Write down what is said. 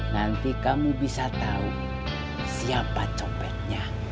nanti kamu bisa tahu siapa copetnya